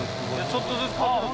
ちょっとずつ角度。